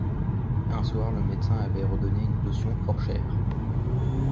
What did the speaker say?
Un soir, le médecin avait ordonné une potion fort chère.